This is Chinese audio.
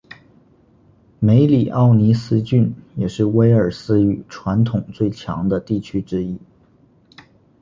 梅里奥尼斯郡也是威尔斯语传统最强的地区之一。